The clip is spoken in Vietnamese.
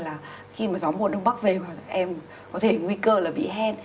mà gió mùa đông bắc về và có thể nguy cơ là bị hen